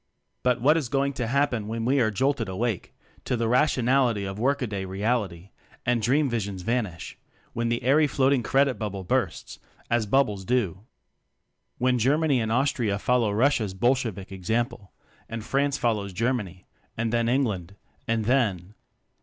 But what is going to happen when we are jolted awake to the rationality of workaday reality, and dream visions vanish; when the airy floating credit bubble bursts as bub bles do? When Germany and Austria follow Russia's (Bolshevik) example, and France follows Germany, and then England, and then